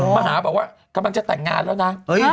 มาหาบอกว่ากำลังจะแต่งงานแล้วนะ